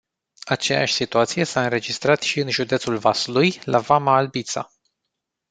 Aceeași situație s-a înregistrat și în județul Vaslui, la vama Albița.